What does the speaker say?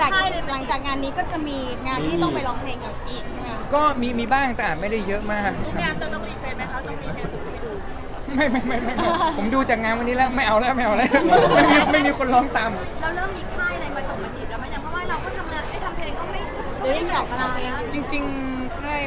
หลังจากงานนี้ก็จะมีงานที่ต้องไปร้องเพลงดีมั๊ยดีอีกใช่ไหม